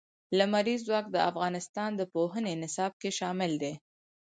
لمریز ځواک د افغانستان د پوهنې نصاب کې شامل دي.